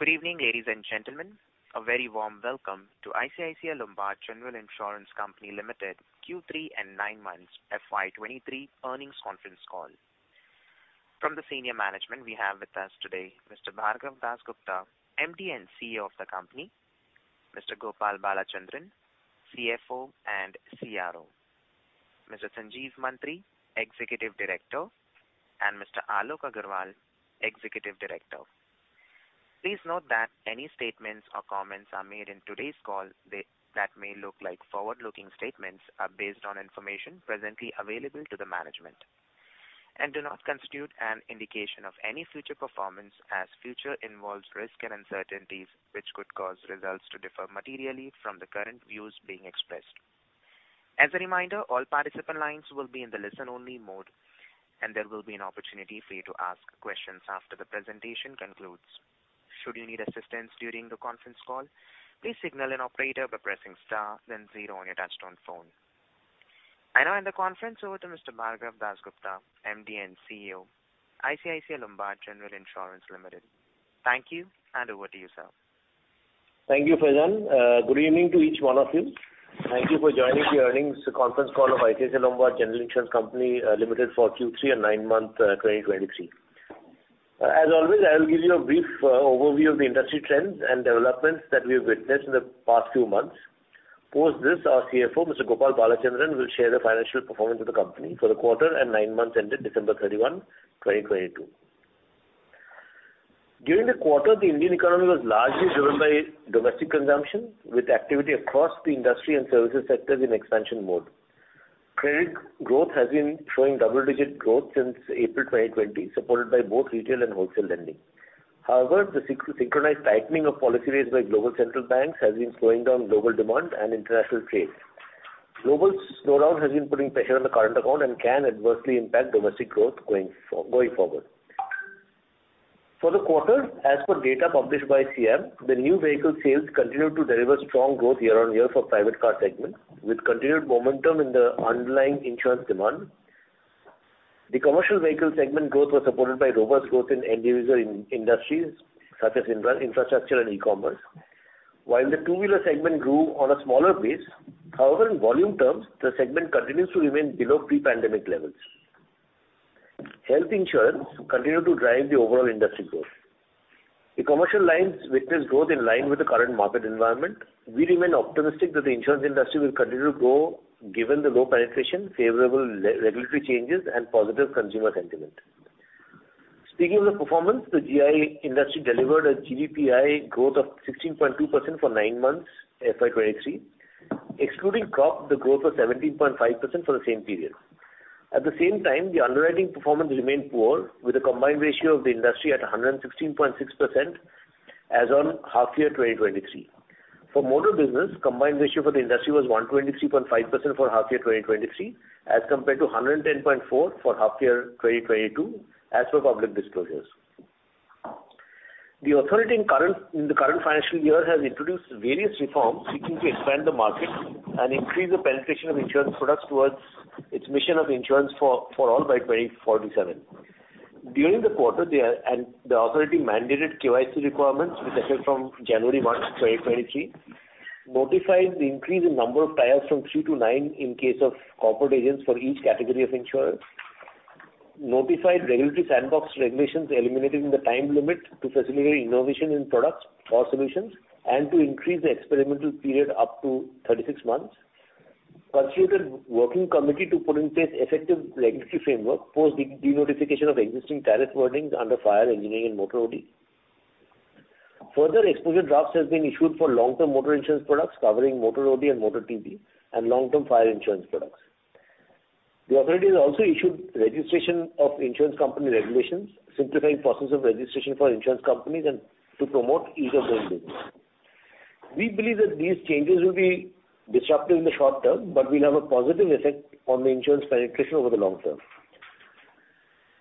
Good evening, ladies and gentlemen. A very warm welcome to ICICI Lombard General Insurance Company Limited Q3 and nine months FY 2023 earnings conference call. From the senior management we have with us today Mr. Bhargav Dasgupta, MD and CEO of the company, Mr. Gopal Balachandran, CFO and CRO, Mr. Sanjeev Mantri, Executive Director, and Mr. Alok Agarwal, Executive Director. Please note that any statements or comments are made in today's call that may look like forward-looking statements are based on information presently available to the management and do not constitute an indication of any future performance, as future involves risk and uncertainties which could cause results to differ materially from the current views being expressed. As a reminder, all participant lines will be in the listen-only mode, and there will be an opportunity for you to ask questions after the presentation concludes. Should you need assistance during the conference call, please signal an operator by pressing star then zero on your touchtone phone. I now hand the conference over to Mr. Bhargav Dasgupta, MD and CEO, ICICI Lombard General Insurance Limited. Thank you, and over to you, sir. Thank you, Faizan. Good evening to each one of you. Thank you for joining the earnings conference call of ICICI Lombard General Insurance Company Limited for Q3 and nine-month 2023. As always, I will give you a brief overview of the industry trends and developments that we have witnessed in the past few months. Post this, our CFO, Mr. Gopal Balachandran, will share the financial performance of the company for the quarter and nine months ended December 31, 2022. During the quarter, the Indian economy was largely driven by domestic consumption, with activity across the industry and services sectors in expansion mode. Credit growth has been showing double-digit growth since April 2020, supported by both retail and wholesale lending. However, the synchronized tightening of policy rates by global central banks has been slowing down global demand and international trade. Global slowdown has been putting pressure on the current account and can adversely impact domestic growth going forward. For the quarter, as per data published by CM, the new vehicle sales continued to deliver strong growth year-on-year for private car segment, with continued momentum in the underlying insurance demand. The commercial vehicle segment growth was supported by robust growth in end user industries such as infrastructure and e-commerce. While the two-wheeler segment grew on a smaller base, however, in volume terms, the segment continues to remain below pre-pandemic levels. Health insurance continued to drive the overall industry growth. The commercial lines witnessed growth in line with the current market environment. We remain optimistic that the insurance industry will continue to grow given the low penetration, favorable regulatory changes and positive consumer sentiment. Speaking of the performance, the GI industry delivered a GDPI growth of 16.2% for nine months FY 2023. Excluding crop, the growth was 17.5% for the same period. At the same time, the underwriting performance remained poor, with a combined ratio of the industry at 116.6% as on half year 2023. For motor business, combined ratio for the industry was 123.5% for half year 2023 as compared to 110.4% for half year 2022, as for public disclosures. The authority in the current financial year has introduced various reforms seeking to expand the market and increase the penetration of insurance products towards its mission of Insurance for All by 2047. During the quarter, the authority mandated KYC requirements, which occurred from January 1, 2023, notified the increase in number of tires from three to nine in case of corporate agents for each category of insurance, notified regulatory sandbox regulations eliminating the time limit to facilitate innovation in products or solutions and to increase the experimental period up to 36 months, constituted working committee to put in place effective regulatory framework post de-notification of existing tariff wordings under fire engineering and motor OD. Further exposure drafts has been issued for long-term motor insurance products covering motor OD and motor TD and long-term fire insurance products. The authorities also issued registration of insurance company regulations, simplifying process of registration for insurance companies and to promote ease of doing business. We believe that these changes will be disruptive in the short term, but will have a positive effect on the insurance penetration over the long term.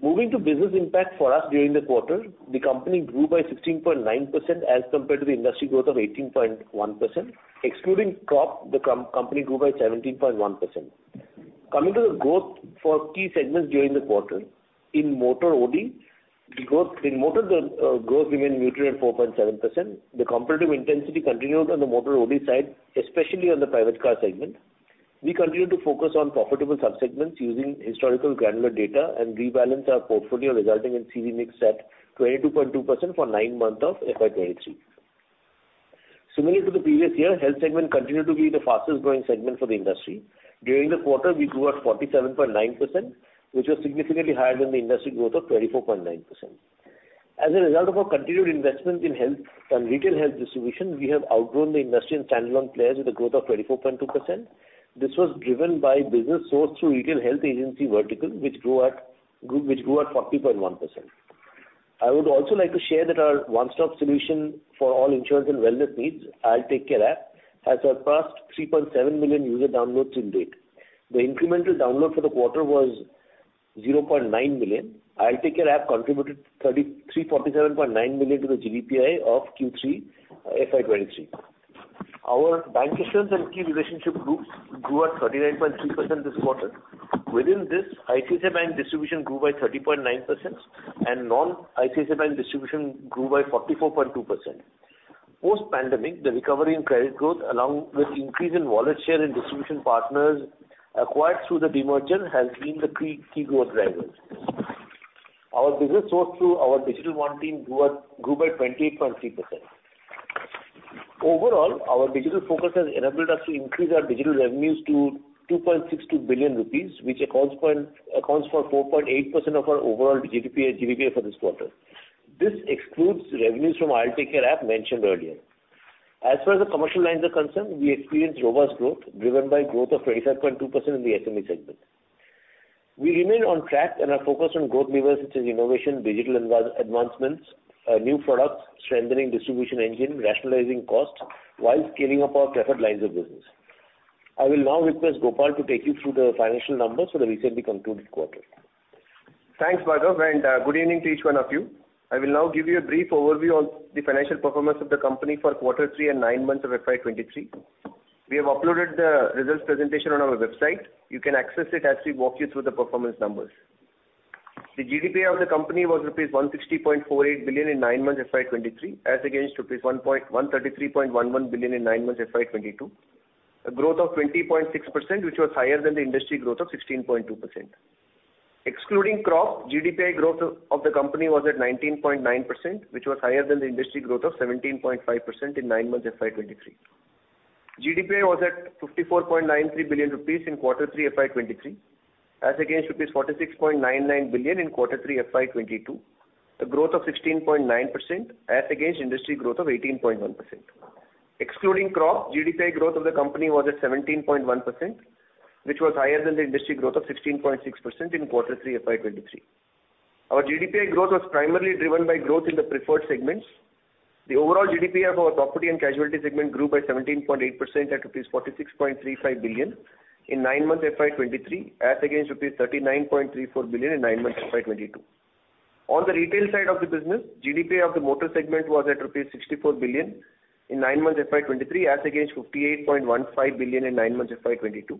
Moving to business impact for us during the quarter, the company grew by 16.9% as compared to the industry growth of 18.1%. Excluding crop, the company grew by 17.1%. Coming to the growth for key segments during the quarter, in motor OD in motor the growth remained neutral at 4.7%. The competitive intensity continued on the motor OD side, especially on the private car segment. We continue to focus on profitable sub-segments using historical granular data and rebalance our portfolio, resulting in CV mix at 22.2% for nine months of FY 2023. Similar to the previous year, health segment continued to be the fastest growing segment for the industry. During the quarter, we grew at 47.9%, which was significantly higher than the industry growth of 24.9%. As a result of our continued investment in health and retail health distribution, we have outgrown the industry and standalone players with a growth of 24.2%. This was driven by business sourced through retail health agency vertical, which grew at 40.1%. I would also like to share that our one-stop solution for all insurance and wellness needs, IL TakeCare app, has surpassed 3.7 million user downloads in date. The incremental download for the quarter was 0.9 million. IL TakeCare app contributed 3,347.9 million to the GDPI of Q3 FY 2023. Our bank insurance and key relationship groups grew at 39.3% this quarter. Within this, ICICI Bank distribution grew by 30.9% and non-ICICI Bank distribution grew by 44.2%. Post pandemic, the recovery in credit growth, along with increase in wallet share and distribution partners acquired through the demerger, has been the key growth drivers. Our business sourced through our digital one team grew by 28.3%. Overall, our digital focus has enabled us to increase our digital revenues to 2.62 billion rupees, which accounts for 4.8% of our overall GDPA for this quarter. This excludes revenues from IL TakeCare app mentioned earlier. As far as the commercial lines are concerned, we experienced robust growth, driven by growth of 35.2% in the SME segment. We remain on track and are focused on growth levers such as innovation, digital advancements, new products, strengthening distribution engine, rationalizing costs, while scaling up our preferred lines of business. I will now request Gopal to take you through the financial numbers for the recently concluded quarter. Thanks, Bhargav. Good evening to each one of you. I will now give you a brief overview on the financial performance of the company for quarter three and nine months of FY 2023. We have uploaded the results presentation on our website. You can access it as we walk you through the performance numbers. The GDPA of the company was rupees 160.48 billion in nine months FY 2023, as against rupees 133.11 billion in nine months FY 2022, a growth of 20.6%, which was higher than the industry growth of 16.2%. Excluding crop, GDPA growth of the company was at 19.9%, which was higher than the industry growth of 17.5% in nine months FY 2023. GDPA was at 54.93 billion rupees in quarter three FY 2022, as against rupees 46.99 billion in quarter three FY 2022, a growth of 16.9% as against industry growth of 18.1%. Excluding crop, GDPA growth of the company was at 17.1%, which was higher than the industry growth of 16.6% in quarter three FY 2023. Our GDPA growth was primarily driven by growth in the preferred segments. The overall GDPA of our property and casualty segment grew by 17.8% at rupees 46.35 billion in nine months FY 2023, as against rupees 39.34 billion in nine months FY 2022. On the retail side of the business, GDPA of the motor segment was at rupees sixty-four billion in nine months FY 2023, as against fifty-eight point one five billion in nine months FY 2022,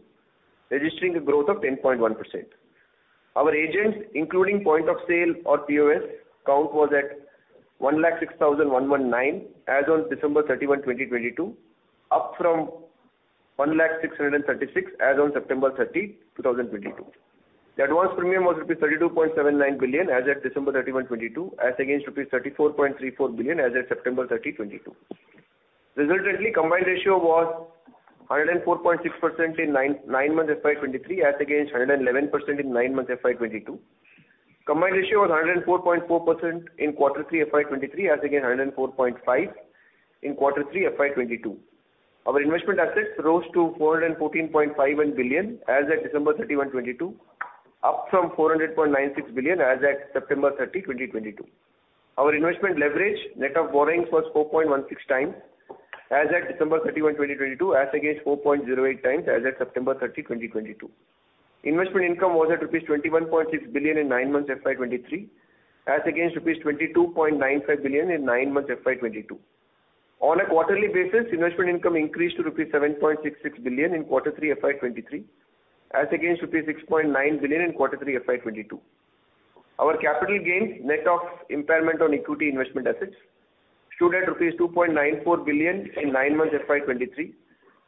registering a growth of ten point one percent. Our agents, including point of sale or POS count was at one lakh six thousand one one nine as on December thirty-one, twenty twenty-two, up from one lakh six hundred and thirty-six as on September thirty, two thousand twenty-two. The advance premium was rupees thirty-two point seven nine billion as at December thirty-one, twenty-two, as against rupees thirty-four point three four billion as at September thirty, twenty-two. Resultantly, combined ratio was hundred and four point six percent in nine months FY 2023, as against hundred and eleven percent in nine months FY 2022. Combined ratio was 104.4% in quarter three FY 2023 as against 104.5% in quarter three FY 2022. Our investment assets rose to INR 414.51 billion as at December 31, 2022, up from INR 400.96 billion as at September 30, 2022. Our investment leverage net of borrowings was 4.16 times as at December 31, 2022, as against 4.08 times as at September 30, 2022. Investment income was at INR 21.6 billion in nine months FY 2023, as against INR 22.95 billion in nine months FY 2022. On a quarterly basis, investment income increased to INR 7.66 billion in quarter three FY 2023, as against INR 6.9 billion in quarter three FY 2022. Our capital gains net of impairment on equity investment assets stood at rupees 2.94 billion in nine months FY 2023,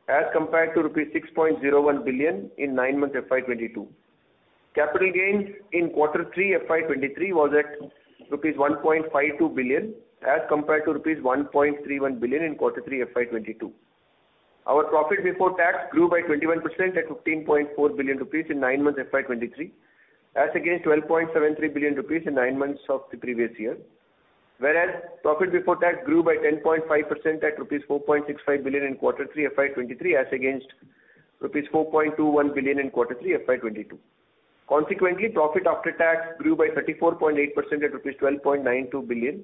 as compared to rupees 6.01 billion in nine months FY 2022. Capital gains in quarter three FY 2023 was at rupees 1.52 billion as compared to rupees 1.31 billion in quarter three FY 2022. Our profit before tax grew by 21% at 15.4 billion rupees in nine months FY 2023, as against 12.73 billion rupees in nine months of the previous year. Whereas profit before tax grew by 10.5% at rupees 4.65 billion in quarter three FY 2023, as against rupees 4.21 billion in quarter three FY 2022. Consequently, profit after tax grew by 34.8% at rupees 12.92 billion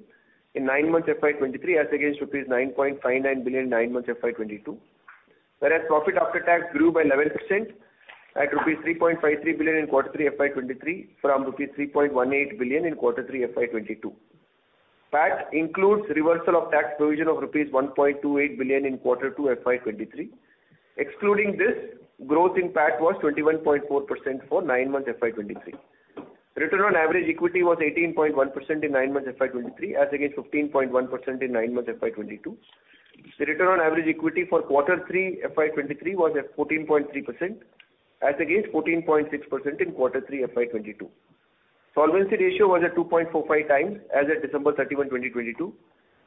in nine months FY 2023, as against rupees 9.59 billion nine months FY 2022. Profit after tax grew by 11% at rupees 3.53 billion in Q3 FY 2023 from rupees 3.18 billion in Q3 FY 2022. PAT includes reversal of tax provision of rupees 1.28 billion in Q2 FY 2023. Excluding this, growth in PAT was 21.4% for nine months FY 2023. Return on average equity was 18.1% in nine months FY 2023, as against 15.1% in nine months FY 2022. The return on average equity for Q3 FY 2023 was at 14.3%, as against 14.6% in Q3 FY 2022. solvency ratio was at 2.45 times as of December 31, 2022,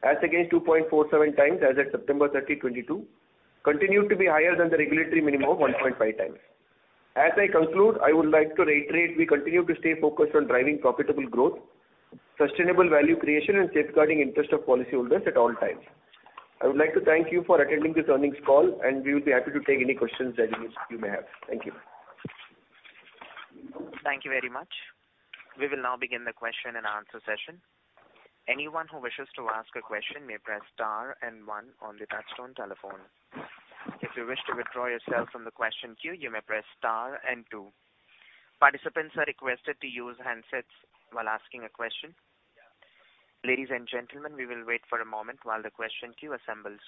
as against 2.47 times as of September 30, 2022, continued to be higher than the regulatory minimum of 1.5 times. As I conclude, I would like to reiterate we continue to stay focused on driving profitable growth, sustainable value creation, and safeguarding interest of policyholders at all times. I would like to thank you for attending this earnings call, and we will be happy to take any questions that you may have. Thank you. Thank you very much. We will now begin the question and answer session. Anyone who wishes to ask a question may press star and one on the touchtone telephone. If you wish to withdraw yourself from the question queue, you may press star and two. Participants are requested to use handsets while asking a question. Ladies and gentlemen, we will wait for a moment while the question queue assembles.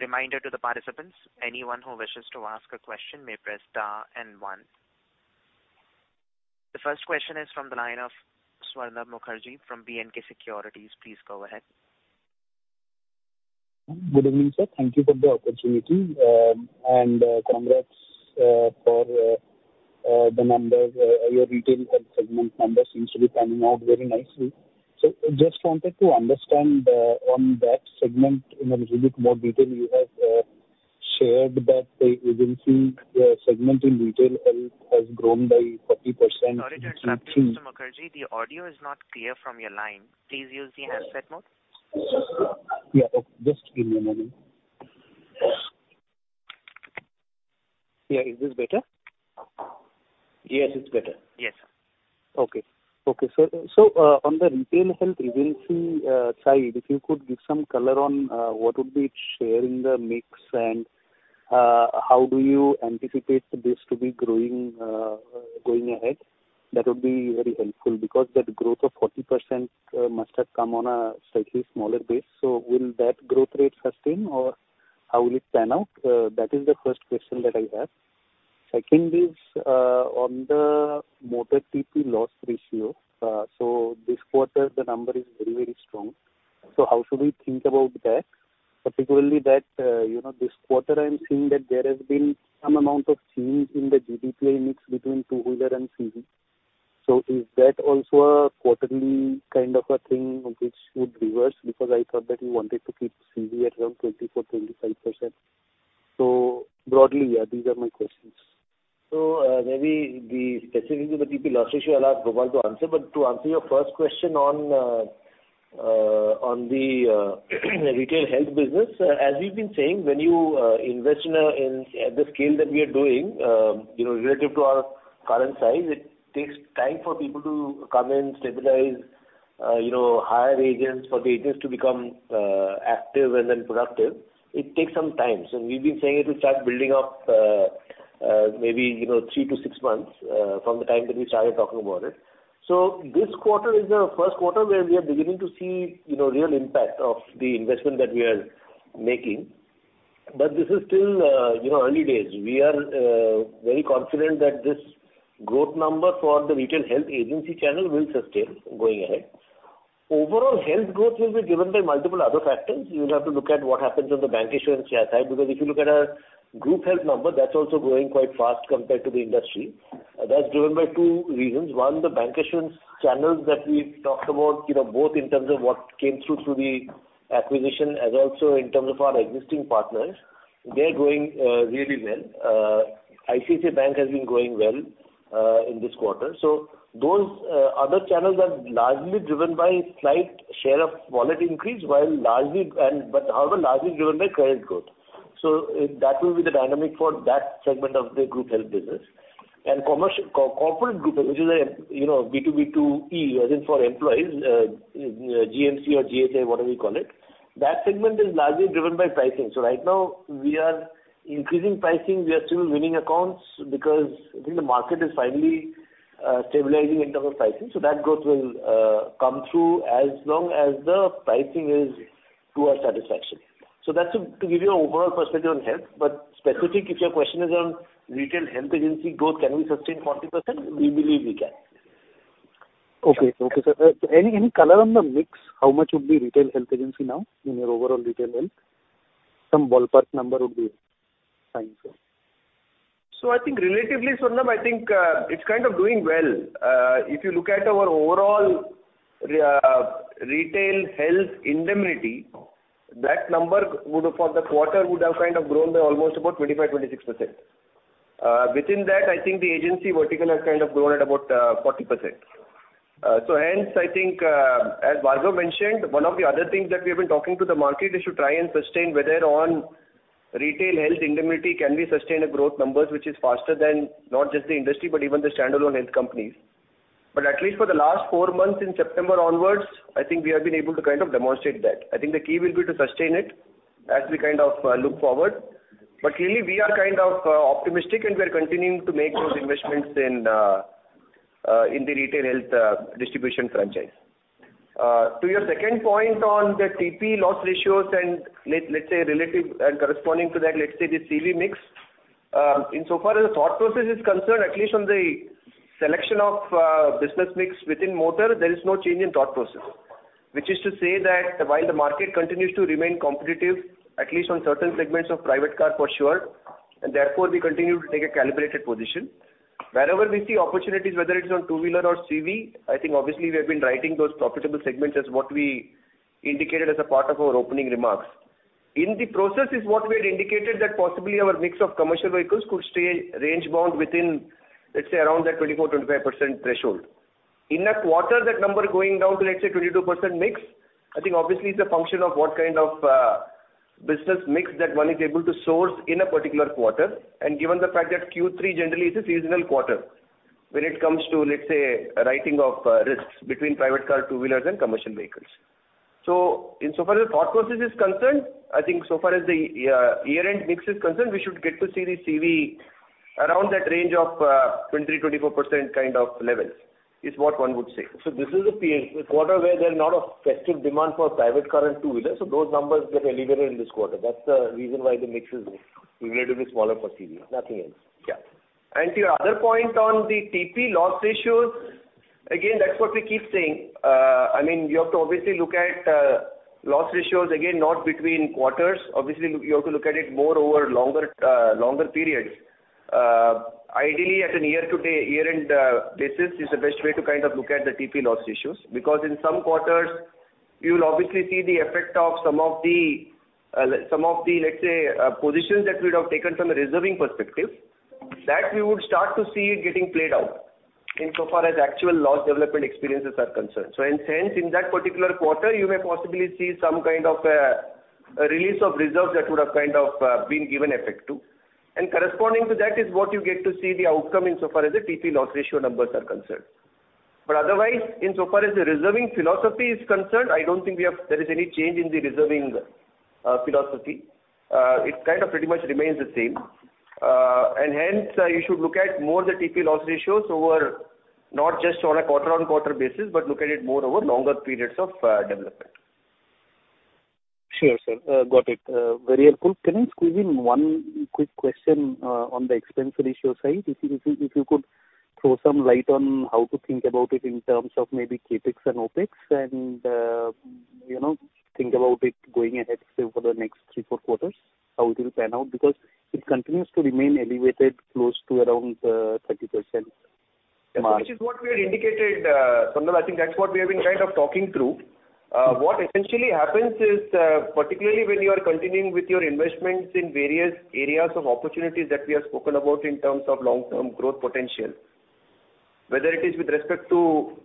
Reminder to the participants, anyone who wishes to ask a question may press star and one. The first question is from the line of Swarnabh Mukherjee from B&K Securities. Please go ahead. Good evening, sir. Thank you for the opportunity. Congrats for the numbers. Your retail health segment numbers seems to be coming out very nicely. Just wanted to understand on that segment in a little bit more detail you have shared that the agency segment in retail health has grown by 40%. Sorry to interrupt you, Mr. Mukherjee. The audio is not clear from your line. Please use the headset mode. Yeah. Just give me a minute. Yeah. Is this better? Yes, it's better. Yes. Okay. Okay. On the retail health agency side, if you could give some color on what would be its share in the mix and how do you anticipate this to be growing going ahead, that would be very helpful because that growth of 40% must have come on a slightly smaller base. Will that growth rate sustain or how will it pan out? That is the first question that I have. Second is on the Motor TP loss ratio. This quarter the number is very, very strong. How should we think about that? Particularly that, you know this quarter I am seeing that there has been some amount of change in the GDPI mix between two-wheeler and CV. Is that also a quarterly kind of a thing which would reverse? I thought that you wanted to keep CV at around 24%-25%. Broadly, yeah, these are my questions. Maybe the specifics of the TP loss ratio I'll ask Gopal to answer. To answer your first question on the retail health business, as we've been saying, when you invest at the scale that we are doing, you know, relative to our current size, it takes time for people to come in, stabilize, you know, hire agents, for the agents to become active and then productive. It takes some time. We've been saying it will start building up, maybe, you know, 3 to 6 months from the time that we started talking about it. This quarter is the first quarter where we are beginning to see, you know, real impact of the investment that we are making. This is still, you know, early days. We are very confident that this growth number for the retail health agency channel will sustain going ahead. Overall health growth will be driven by multiple other factors. You'll have to look at what happens on the bank insurance share side because if you look at our group health number, that's also growing quite fast compared to the industry. That's driven by two reasons. One, the bank insurance channels that we talked about, you know, both in terms of what came through the acquisition and also in terms of our existing partners, they are growing really well. ICICI Bank has been growing well in this quarter. Those other channels are largely driven by slight share of wallet increase while largely driven by credit growth. That will be the dynamic for that segment of the group health business. Commercial co-corporate group, which is a, you know, B2B2E, as in for employees, GMC or GSA, whatever you call it, that segment is largely driven by pricing. Right now we are increasing pricing. We are still winning accounts because I think the market is finally stabilizing in terms of pricing. That growth will come through as long as the pricing is to our satisfaction. That's to give you an overall perspective on health, but specific if your question is on retail health agency growth, can we sustain 40%? We believe we can. Okay. Okay, sir. Any color on the mix, how much would be retail health agency now in your overall retail health? Some ballpark number would be fine, sir. I think relatively, Swarnab, I think, it's kind of doing well. If you look at our overall retail health indemnity, that number would have for the quarter would have kind of grown by almost about 25%-26%. Within that I think the agency vertical has kind of grown at about 40%. Hence I think, as Vargo mentioned, one of the other things that we have been talking to the market is to try and sustain whether on retail health indemnity can we sustain a growth numbers which is faster than not just the industry but even the standalone health companies. At least for the last four months in September onwards, I think we have been able to kind of demonstrate that. I think the key will be to sustain it as we kind of look forward. Clearly we are kind of optimistic and we are continuing to make those investments in the retail health distribution franchise. To your second point on the TP loss ratios and let's say relative and corresponding to that let's say the CV mix. Insofar as the thought process is concerned, at least on the selection of business mix within motor, there is no change in thought process. Which is to say that while the market continues to remain competitive, at least on certain segments of private car for sure, and therefore we continue to take a calibrated position. Wherever we see opportunities, whether it's on two-wheeler or CV, I think obviously we have been writing those profitable segments as what we indicated as a part of our opening remarks. In the process is what we had indicated that possibly our mix of commercial vehicles could stay range bound within, let's say around that 24%-25% threshold. In a quarter that number going down to let's say 22% mix, I think obviously it's a function of what kind of business mix that one is able to source in a particular quarter. Given the fact that Q3 generally is a seasonal quarter when it comes to, let's say, writing of risks between private car, two-wheelers and commercial vehicles. Insofar as thought process is concerned, I think so far as the year-end mix is concerned, we should get to see the CV around that range of 23%-24% kind of levels is what one would say. This is a quarter where there's not a festive demand for private car and two-wheelers, so those numbers get elevated in this quarter. That's the reason why the mix is relatively smaller for CV, nothing else. To your other point on the TP loss ratios, again, that's what we keep saying. I mean, you have to obviously look at loss ratios again, not between quarters. Obviously, you have to look at it more over longer periods. Ideally at a year-to-date, year-end basis is the best way to kind of look at the TP loss ratios. Because in some quarters you'll obviously see the effect of some of the, some of the, let's say, positions that we'd have taken from a reserving perspective, that we would start to see it getting played out insofar as actual loss development experiences are concerned. In sense, in that particular quarter, you may possibly see some kind of a release of reserves that would have kind of been given effect to. Corresponding to that is what you get to see the outcome insofar as the TP loss ratio numbers are concerned. Otherwise, insofar as the reserving philosophy is concerned, I don't think there is any change in the reserving philosophy. It kind of pretty much remains the same. Hence, you should look at more the TP loss ratios over not just on a quarter-on-quarter basis, but look at it more over longer periods of development. Sure, sir. Got it. Very helpful. Can I squeeze in one quick question, on the expense ratio side? If you could throw some light on how to think about it in terms of maybe CapEx and OpEx and, you know, think about it going ahead, say, for the next three, four quarters, how it will pan out? Because it continues to remain elevated close to around, 30% mark. This is what we had indicated, Sonal. I think that's what we have been kind of talking through. What essentially happens is, particularly when you are continuing with your investments in various areas of opportunities that we have spoken about in terms of long-term growth potential. Whether it is with respect to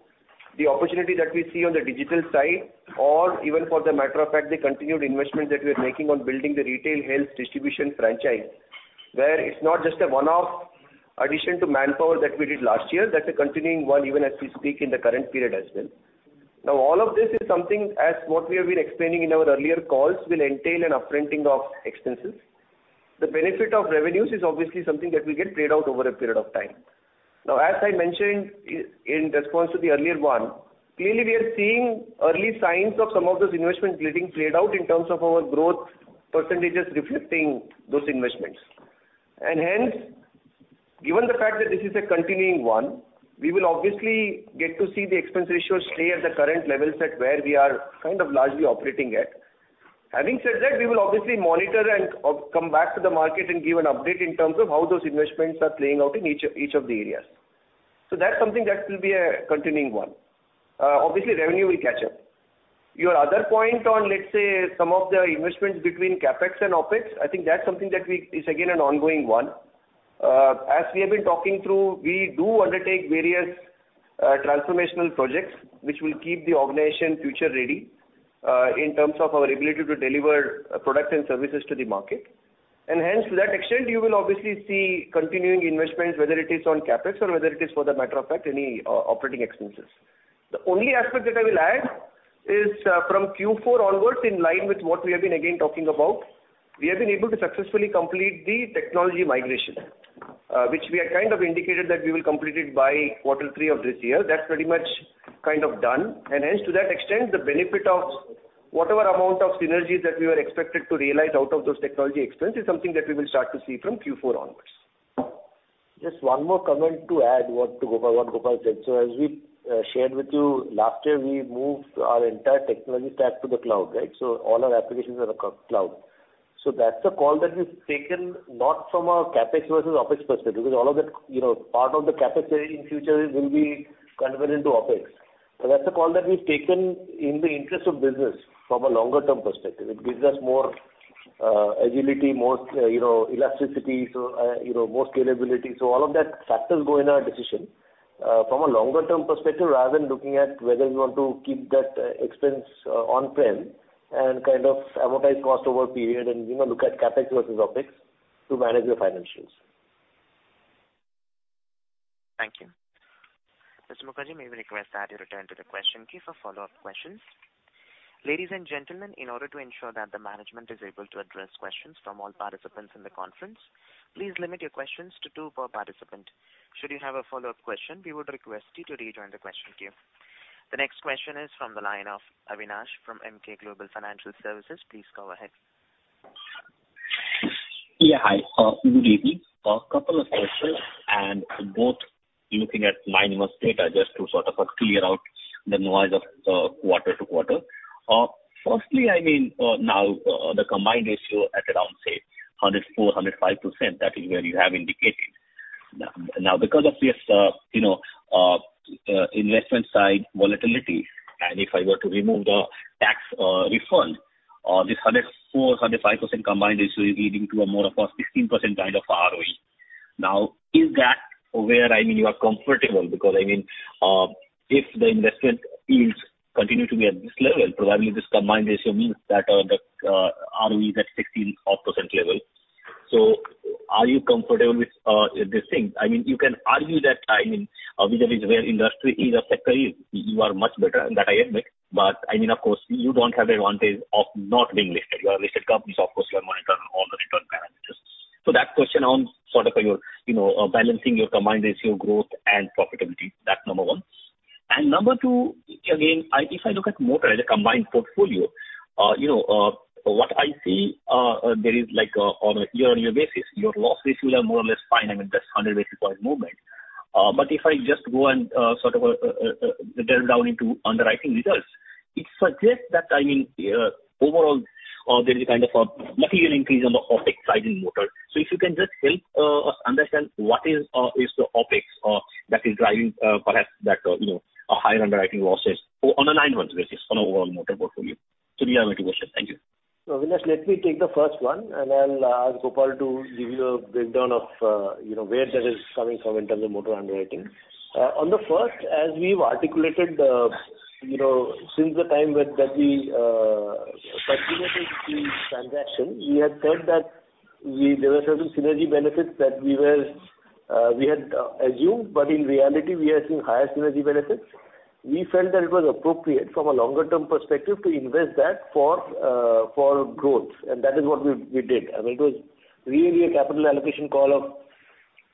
the opportunity that we see on the digital side or even for the matter of fact, the continued investment that we are making on building the retail health distribution franchise. Where it's not just a one-off addition to manpower that we did last year. That's a continuing one even as we speak in the current period as well. All of this is something as what we have been explaining in our earlier calls will entail an up-fronting of expenses. The benefit of revenues is obviously something that will get played out over a period of time. Now, as I mentioned in response to the earlier one, clearly we are seeing early signs of some of those investments getting played out in terms of our growth percentages reflecting those investments. Hence, given the fact that this is a continuing one, we will obviously get to see the expense ratio stay at the current levels at where we are kind of largely operating at. Having said that, we will obviously monitor and come back to the market and give an update in terms of how those investments are playing out in each of the areas. That's something that will be a continuing one. Obviously revenue will catch up. Your other point on, let's say some of the investments between CapEx and OpEx, I think that's something that we is again, an ongoing one. As we have been talking through, we do undertake various transformational projects which will keep the organization future ready, in terms of our ability to deliver products and services to the market. Hence to that extent you will obviously see continuing investments, whether it is on CapEx or whether it is for the matter of fact any operating expenses. The only aspect that I will add is, from Q4 onwards, in line with what we have been again talking about, we have been able to successfully complete the technology migration. Which we had kind of indicated that we will complete it by quarter three of this year. That's pretty much kind of done. Hence to that extent the benefit of whatever amount of synergies that we were expected to realize out of those technology expense is something that we will start to see from Q4 onwards. Just one more comment to add to Gopal, what Gopal said. As we shared with you last year, we moved our entire technology stack to the cloud, right? All our applications are on cloud. That's a call that we've taken not from a CapEx versus OpEx perspective, because all of that, you know, part of the CapEx spend in future will be converted into OpEx. That's a call that we've taken in the interest of business from a longer term perspective. It gives us more agility, more, you know, elasticity, so, you know, more scalability. All of that factors go in our decision from a longer term perspective rather than looking at whether we want to keep that expense on-prem and kind of amortize cost over a period and, you know, look at CapEx versus OpEx to manage your financials. Thank you. Mr. Mukherjee, may we request that you return to the question queue for follow-up questions. Ladies and gentlemen, in order to ensure that the management is able to address questions from all participants in the conference, please limit your questions to two per participant. Should you have a follow-up question, we would request you to rejoin the question queue. The next question is from the line of Avinash from Emkay Global Financial Services. Please go ahead. Yeah. Hi. Good evening. A couple of questions, both looking at minus data just to sort of clear out the noise of quarter-to-quarter. Firstly, I mean, now, the combined ratio at around, say, 104%-105%, that is where you have indicated. Now, because of this, you know, investment side volatility, and if I were to remove the tax refund, this 104%-105% combined ratio is leading to a more of a 16% kind of ROE. Is that where, I mean, you are comfortable? I mean, if the investment yields continue to be at this level, providing this combined ratio means that the ROE is at 16 odd % level. Are you comfortable with this thing? You can argue that vis-a-vis where industry is or sector is, you are much better, and that I admit. Of course, you don't have the advantage of not being listed. You are a listed company, of course you are monitored on all the return parameters. That question on sort of, your, you know, balancing your combined ratio growth and profitability. That's number one. Number two, again, if I look at motor as a combined portfolio, you know, what I see, there is like on a year-on-year basis, your loss ratio are more or less fine. That's 100 basis point movement. If I just go and, sort of, delve down into underwriting results, it suggests that, I mean, overall, there is a kind of a material increase on the OpEx side in motor. If you can just help us understand what is the OpEx that is driving perhaps that, you know, higher underwriting losses for on a nine months basis on overall motor portfolio. These are my two questions. Thank you. Avinash, let me take the first one, and I'll ask Gopal to give you a breakdown of, you know, where that is coming from in terms of motor underwriting. On the first, as we've articulated, you know, since the time that we perpetuated the transaction, we had said that there were certain synergy benefits that we were, we had, assumed, but in reality we are seeing higher synergy benefits. We felt that it was appropriate from a longer term perspective to invest that for growth. That is what we did. I mean, it was really a capital allocation call of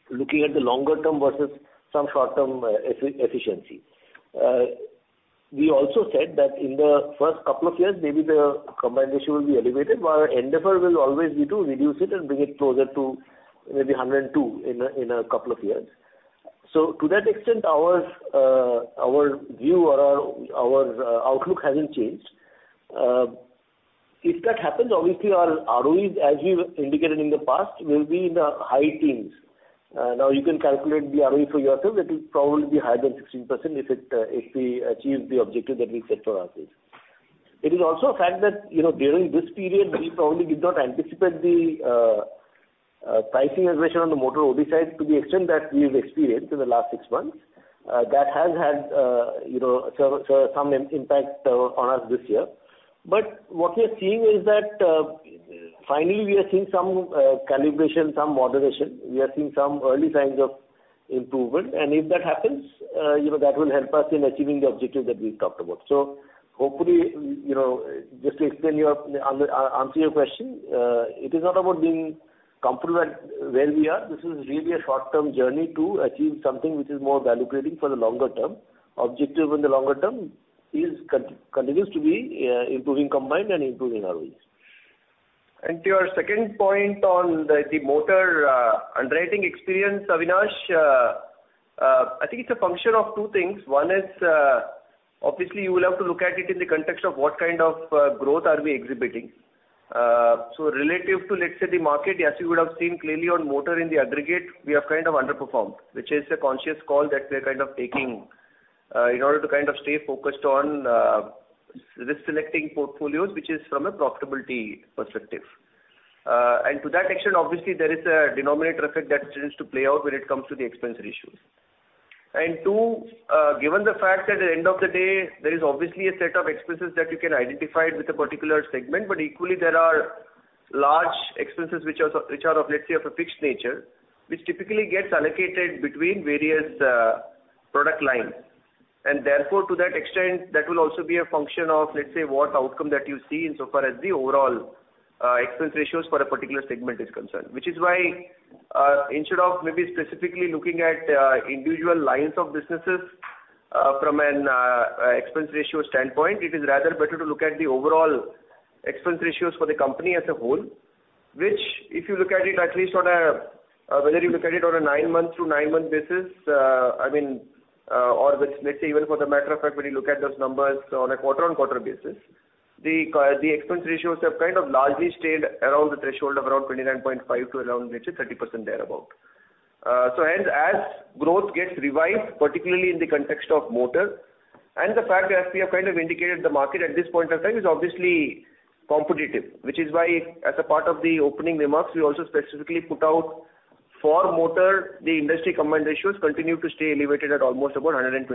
looking at the longer term versus some short-term efficiency. We also said that in the first couple of years, maybe the combined ratio will be elevated, but our endeavor will always be to reduce it and bring it closer to maybe 102 in a couple of years. To that extent, our view or our outlook hasn't changed. If that happens, obviously our ROE, as we've indicated in the past, will be in the high teens. Now you can calculate the ROE for yourself. It will probably be higher than 16% if it, if we achieve the objective that we set for ourselves. It is also a fact that, you know, during this period, we probably did not anticipate the pricing aggression on the motor OD side to the extent that we've experienced in the last 6 months. That has had, you know, some impact on us this year. What we are seeing is that, finally we are seeing some calibration, some moderation. We are seeing some early signs of improvement. If that happens, you know, that will help us in achieving the objective that we've talked about. Hopefully, you know, just to explain your answer your question, it is not about being comfortable at where we are. This is really a short-term journey to achieve something which is more value creating for the longer term. Objective in the longer term is continues to be, improving combined and improving ROEs. To your second point on the motor underwriting experience, Avinash, I think it's a function of two things. One is, obviously you will have to look at it in the context of what kind of growth are we exhibiting. Relative to, let's say, the market, as you would have seen clearly on motor in the aggregate, we have kind of underperformed, which is a conscious call that we're kind of taking in order to kind of stay focused on risk selecting portfolios, which is from a profitability perspective. To that extent, obviously there is a denominator effect that tends to play out when it comes to the expense ratios. Two, given the fact that at the end of the day there is obviously a set of expenses that you can identify with a particular segment, but equally there are large expenses which are of, let's say, of a fixed nature, which typically gets allocated between various product lines. Therefore, to that extent, that will also be a function of, let's say, what outcome that you see insofar as the overall expense ratios for a particular segment is concerned. Which is why, instead of maybe specifically looking at individual lines of businesses from an expense ratio standpoint, it is rather better to look at the overall expense ratios for the company as a whole. If you look at it at least on a whether you look at it on a nine-month to nine-month basis, or with let's say even for the matter of fact, when you look at those numbers on a quarter-on-quarter basis, the expense ratios have kind of largely stayed around the threshold of around 29.5% to around 30% thereabout. Hence as growth gets revised, particularly in the context of motor and the fact as we have kind of indicated the market at this point of time is obviously competitive, which is why as a part of the opening remarks we also specifically put out for motor the industry combined ratios continue to stay elevated at almost about 124%.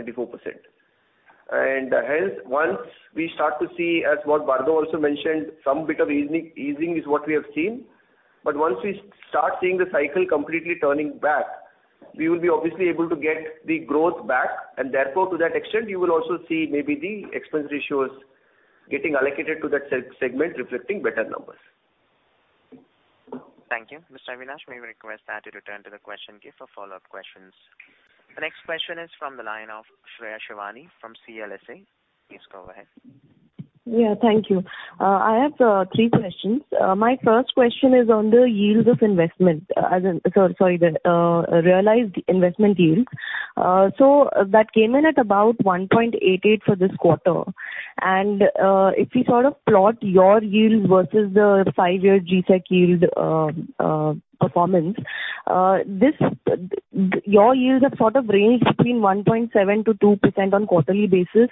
Hence once we start to see, as what Bardha also mentioned, some bit of easing is what we have seen. Once we start seeing the cycle completely turning back, we will be obviously able to get the growth back and therefore to that extent you will also see maybe the expense ratios getting allocated to that segment reflecting better numbers. Thank you. Mr. Avinash, may we request that you return to the question queue for follow-up questions. The next question is from the line of Shreya Shivani from CLSA. Please go ahead. Thank you. I have three questions. My first question is on the yield of investment. Sorry, the realized investment yield. That came in at about 1.88 for this quarter. If we sort of plot your yield versus the 5-year G-Sec yield performance, this, your yields have sort of ranged between 1.7% to 2% on quarterly basis.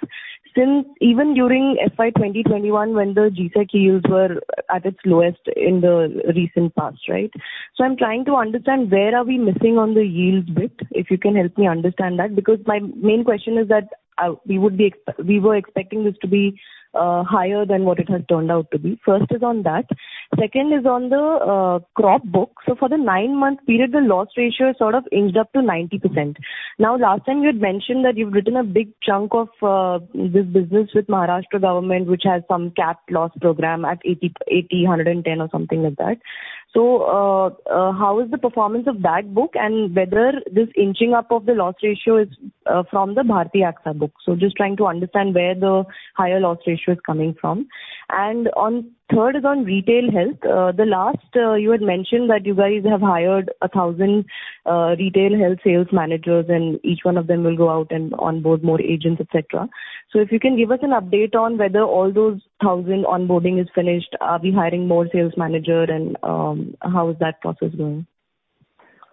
Since even during FY 2021 when the G-Sec yields were at its lowest in the recent past, right? I'm trying to understand where are we missing on the yields bit, if you can help me understand that, because my main question is that we were expecting this to be higher than what it has turned out to be. First is on that. Second is on the crop book. For the nine-month period, the loss ratio sort of inched up to 90%. Now, last time you had mentioned that you've written a big chunk of this business with Maharashtra government, which has some capped loss program at 80, 100 and 10 or something like that. How is the performance of that book and whether this inching up of the loss ratio is from the Bharti AXA book? Just trying to understand where the higher loss ratio is coming from. Third is on retail health. The last, you had mentioned that you guys have hired 1,000 retail health sales managers and each one of them will go out and onboard more agents, et cetera. If you can give us an update on whether all those 1,000 onboarding is finished. Are we hiring more sales manager and, how is that process going?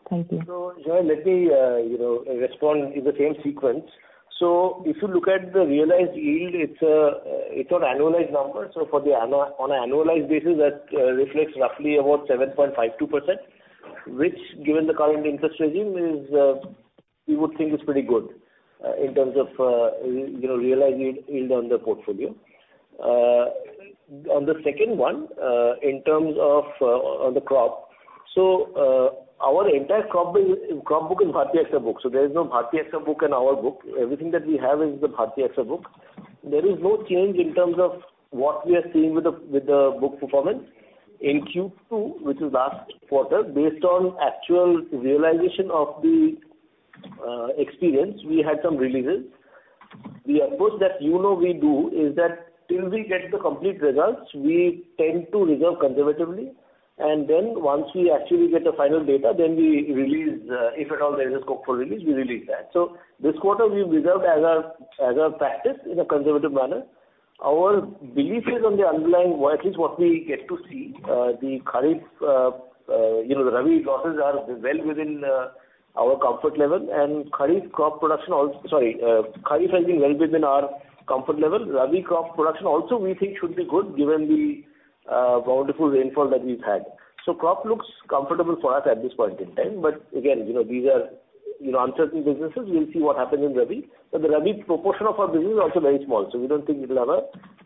Thank you. Shreya, let me, you know, respond in the same sequence. If you look at the realized yield, it's an annualized number. On an annualized basis, that reflects roughly about 7.52%, which given the current interest regime is, we would think is pretty good, in terms of, you know, realized yield on the portfolio. On the second one, in terms of, on the crop. Our entire crop is, crop book is Bharti AXA book, there is no Bharti AXA book in our book. Everything that we have is the Bharti AXA book. There is no change in terms of what we are seeing with the book performance. In Q2, which is last quarter, based on actual realization of the experience, we had some releases. The approach that you know we do is that till we get the complete results, we tend to reserve conservatively and then once we actually get the final data, then we release, if at all there is a scope for release, we release that. This quarter we've reserved as a, as a practice in a conservative manner. Our belief is on the underlying, or at least what we get to see, the kharif, you know, the rabi losses are well within our comfort level and kharif has been well within our comfort level. Rabi crop production also we think should be good given the bountiful rainfall that we've had. Crop looks comfortable for us at this point in time, but again, you know, these are, you know, uncertain businesses. We'll see what happens in rabi. The Rabi proportion of our business is also very small, so we don't think it'll have a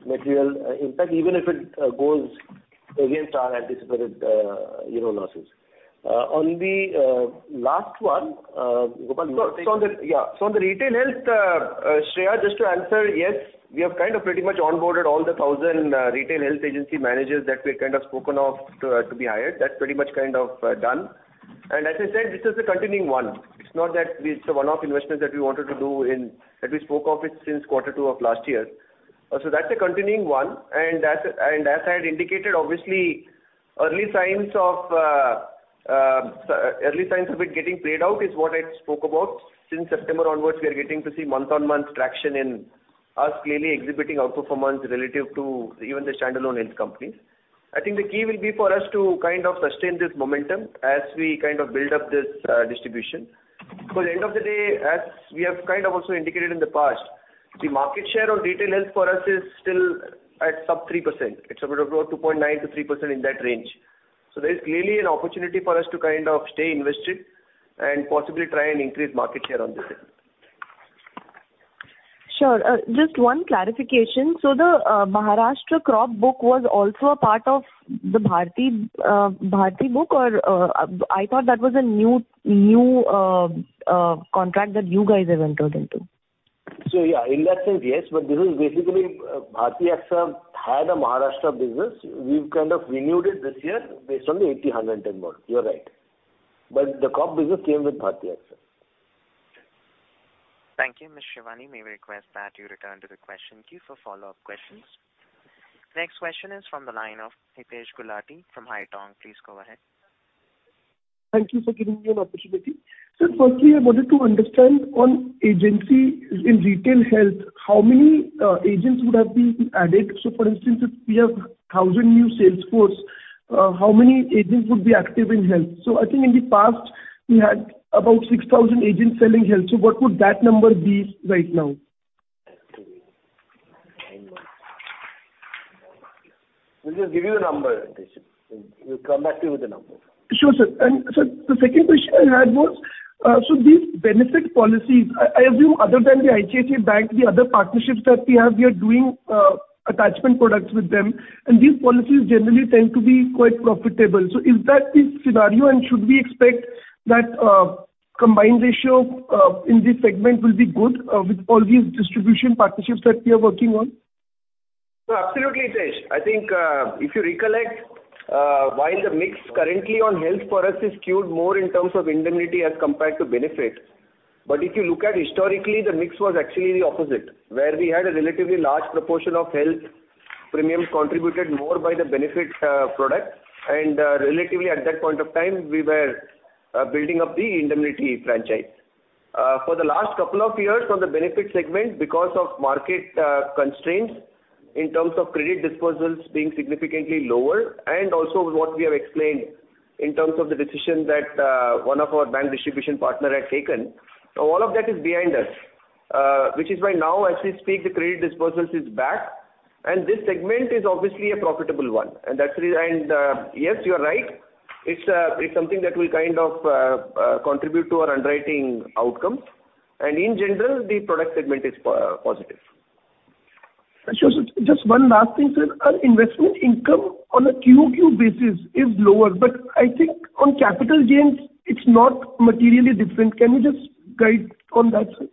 material impact even if it goes against our anticipated, you know, losses. On the last one, Gopal, you want to take? On the, yeah. On the retail health, Shreya, just to answer, yes, we have kind of pretty much onboarded all the 1,000 retail health agency managers that we've kind of spoken of to be hired. That's pretty much kind of done. As I said, this is a continuing one. It's not that it's a one-off investment that we wanted to do in, that we spoke of it since quarter two of last year. That's a continuing one. As I had indicated, obviously early signs of it getting played out is what I spoke about. Since September onwards, we are getting to see month-on-month traction in us clearly exhibiting outperformance relative to even the standalone health companies. I think the key will be for us to kind of sustain this momentum as we kind of build up this distribution. End of the day, as we have kind of also indicated in the past, the market share of retail health for us is still at sub 3%. It's about 2.9%-3% in that range. There is clearly an opportunity for us to kind of stay invested and possibly try and increase market share on this end. Sure. Just one clarification. The Maharashtra crop book was also a part of the Bharti book or I thought that was a new contract that you guys have entered into? Yeah, in that sense, yes. This is basically, Bharti AXA had a Maharashtra business. We've kind of renewed it this year based on the 810 model. You're right. The crop business came with Bharti AXA. Thank you. Ms. Shivani, may we request that you return to the question queue for follow-up questions. Next question is from the line of Hitesh Gulati from Haitong. Please go ahead. Thank you for giving me an opportunity. Firstly, I wanted to understand on agency in retail health, how many agents would have been added? For instance, if we have 1,000 new sales force, how many agents would be active in health? I think in the past we had about 6,000 agents selling health. What would that number be right now? We'll just give you a number, Hitesh. We'll come back to you with a number. Sure, sir. sir, the second question I had was, so these benefit policies, I assume other than the ICICI Bank, the other partnerships that we have, we are doing attachment products with them, and these policies generally tend to be quite profitable. Is that the scenario and should we expect that combined ratio in this segment will be good with all these distribution partnerships that we are working on? No, absolutely, Hitesh. I think, if you recollect, while the mix currently on health for us is skewed more in terms of indemnity as compared to benefit. If you look at historically, the mix was actually the opposite, where we had a relatively large proportion of health premiums contributed more by the benefit product. Relatively at that point of time, we were building up the indemnity franchise. For the last couple of years on the benefit segment because of market constraints in terms of credit disposals being significantly lower and also what we have explained in terms of the decision that one of our bank distribution partner had taken. All of that is behind us, which is why now as we speak, the credit dispersals is back and this segment is obviously a profitable one. Yes, you are right. It's something that will kind of contribute to our underwriting outcomes. In general, the product segment is positive. Sure, sir. Just one last thing, sir. Investment income on a QQ basis is lower, but I think on capital gains it's not materially different. Can you just guide on that, sir?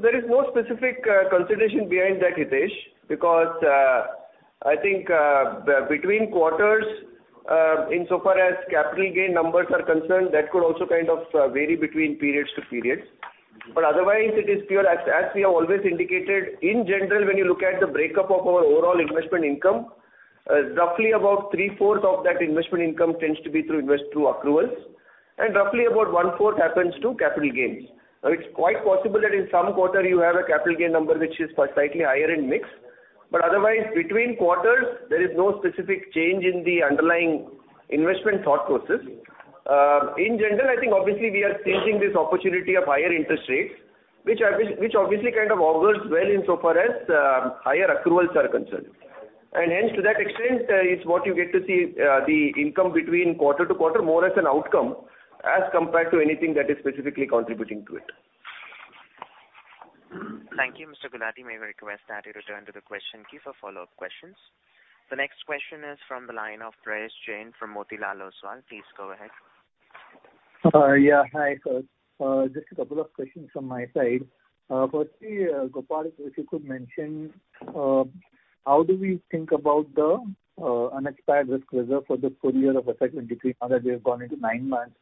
There is no specific consideration behind that, Hitesh, because I think between quarters, insofar as capital gain numbers are concerned, that could also kind of vary between periods to periods. Otherwise it is pure as we have always indicated, in general, when you look at the breakup of our overall investment income, roughly about 3/4 of that investment income tends to be through accruals and roughly about 1/4 happens to capital gains. It's quite possible that in some quarter you have a capital gain number which is slightly higher in mix, but otherwise between quarters there is no specific change in the underlying investment thought process. In general, I think obviously we are seizing this opportunity of higher interest rates, which obviously kind of augurs well insofar as higher accruals are concerned. Hence, to that extent, is what you get to see, the income between quarter-to-quarter more as an outcome as compared to anything that is specifically contributing to it. Thank you, Mr. Gulati. May we request that you return to the question queue for follow-up questions. The next question is from the line of Prayesh Jain from Motilal Oswal. Please go ahead. Yeah, hi, sir. Just a couple of questions from my side. Firstly, Gopal, if you could mention, how do we think about the unexpired risk reserve for the full year of FY 2023 now that we have gone into nine months?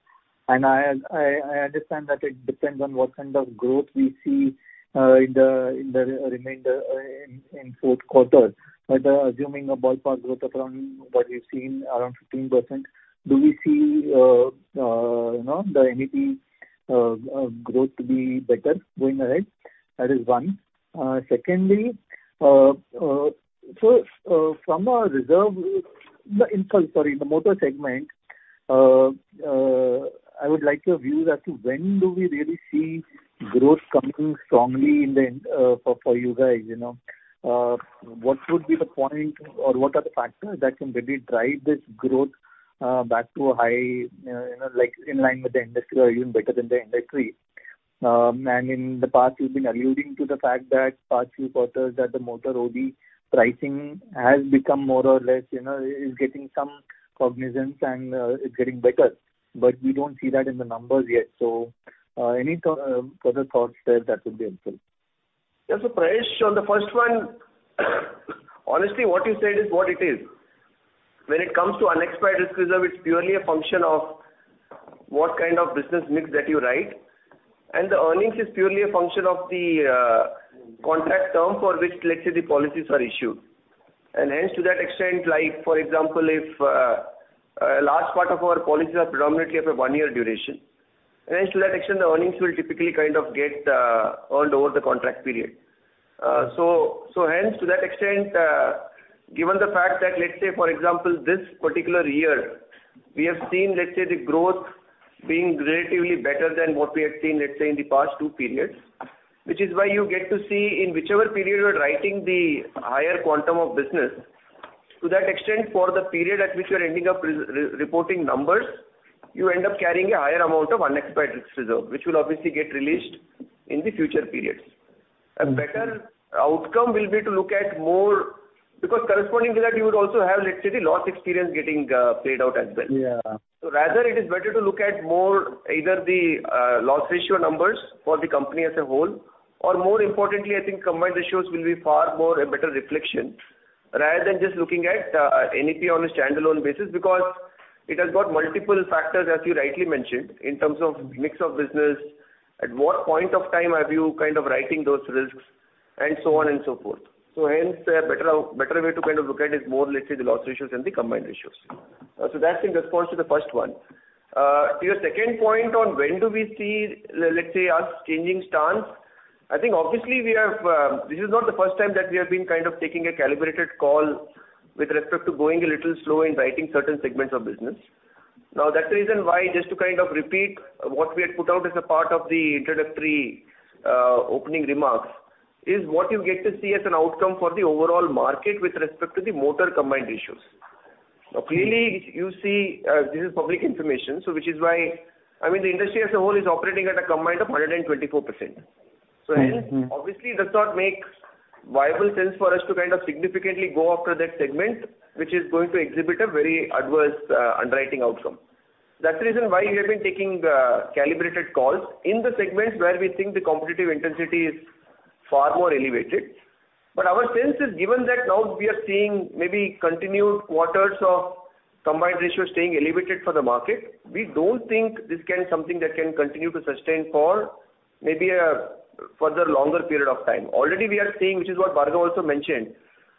I understand that it depends on what kind of growth we see in the remainder in fourth quarter. Assuming a ballpark growth of around what we've seen, around 15%, do we see, you know, the NEP growth to be better going ahead? That is one. Secondly, sorry, the motor segment, I would like your view as to when do we really see growth coming strongly in, for you guys, you know? What would be the point or what are the factors that can really drive this growth, you know, like in line with the industry or even better than the industry? In the past, you've been alluding to the fact that past few quarters that the motor OD pricing has become more or less, you know, is getting some cognizance and is getting better, but we don't see that in the numbers yet. Any thought, further thoughts there, that would be helpful? Yes. Prayesh Jain, on the first one, honestly what you said is what it is. When it comes to unexpired risk reserve, it's purely a function of what kind of business mix that you write, and the earnings is purely a function of the contract term for which let's say the policies are issued. Hence, to that extent, like for example, if a large part of our policies are predominantly of a 1-year duration, hence to that extent the earnings will typically kind of get earned over the contract period. Hence to that extent, given the fact that for example this particular year we have seen the growth being relatively better than what we have seen in the past 2 periods, which is why you get to see in whichever period you are writing the higher quantum of business, to that extent for the period at which you're ending up reporting numbers, you end up carrying a higher amount of unexpired risk reserve, which will obviously get released in the future periods. Mm-hmm. A better outcome will be to look at more, because corresponding to that you would also have, let's say, the loss experience getting paid out as well. Yeah. Rather it is better to look at more either the loss ratio numbers for the company as a whole or more importantly, I think combined ratios will be far more a better reflection rather than just looking at NEP on a standalone basis because it has got multiple factors, as you rightly mentioned, in terms of mix of business, at what point of time are you kind of writing those risks and so on and so forth. Hence, a better way to kind of look at is more let's say the loss ratios and the combined ratios. That I think corresponds to the first one. To your second point on when do we see let's say us changing stance, I think obviously we have, this is not the first time that we have been kind of taking a calibrated call with respect to going a little slow in writing certain segments of business. That's the reason why, just to kind of repeat what we had put out as a part of the introductory, opening remarks, is what you get to see as an outcome for the overall market with respect to the motor combined ratios. Clearly you see, this is public information, which is why, I mean the industry as a whole is operating at a combined of 124%. Mm-hmm. Hence, obviously does not make viable sense for us to kind of significantly go after that segment, which is going to exhibit a very adverse underwriting outcome. That's the reason why we have been taking calibrated calls in the segments where we think the competitive intensity is far more elevated. Our sense is given that now we are seeing maybe continued quarters of combined ratio staying elevated for the market, we don't think this can something that can continue to sustain for maybe a further longer period of time. Already we are seeing, which is what Bhargav also mentioned,